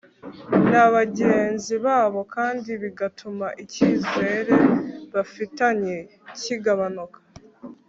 na bagenzi babo kandi bigatuma icyizere bafitanye kigabanuka